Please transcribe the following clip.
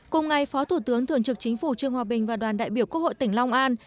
cùng ngày phó thủ tướng thường trực chính phủ trương hòa bình và đoàn đại biểu quốc hội tỉnh long an